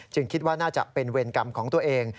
คิดว่าน่าจะเป็นเวรกรรมของตัวเอง